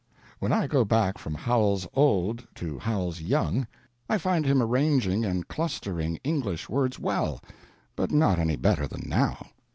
When I go back from Howells old to Howells young I find him arranging and clustering English words well, but not any better than now.